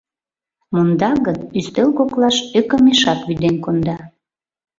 Монда гын, ӱстел коклаш ӧкымешак вӱден конда.